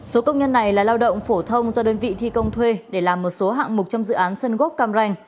số công nhân này là lao động phổ thông do đơn vị thi công thuê để làm một số hạng mục trong dự án sân gốc cam ranh